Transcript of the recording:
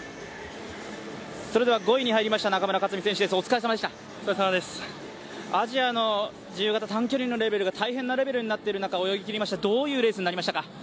５位に入りました中村克選手です、お疲れさまでしたアジアの自由形短距離のレベルが大変なレベルになっている中、泳ぎ切りました、どういうレースになりましたか。